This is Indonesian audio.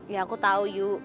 ya aku tahu yuk